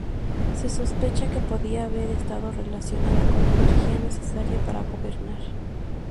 Se sospecha que podía haber estado relacionada con la energía necesaria para gobernar.